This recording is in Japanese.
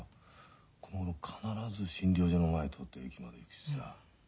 このごろ必ず診療所の前通って駅まで行くしさ。